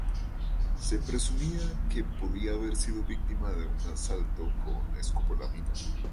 Se presumía que podía haber sido víctima de un asalto con escopolamina.